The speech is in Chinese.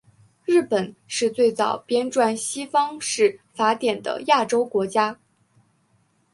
日本是最早编纂西方式法典的亚洲国家。